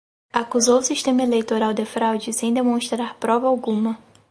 Acusou o sistema eleitoral de fraude sem demonstrar prova alguma